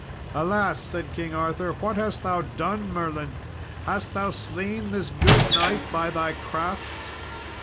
"Alas," said King Arthur, "what hast thou done, Merlin? hast thou slain this good knight by thy crafts?